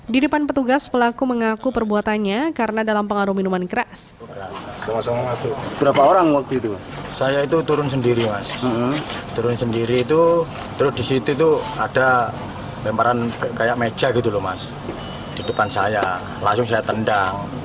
di depan petugas pelaku mengaku perbuatannya karena dalam pengaruh minuman keras